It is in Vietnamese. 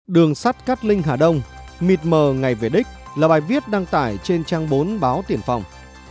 đường sắt cát linh hà đông mịt mờ ngày về đích là bài viết đăng tải trên trang bốn báo tiền phòng